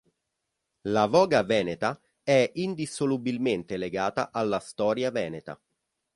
La voga veneta è indissolubilmente legata alla storia veneta.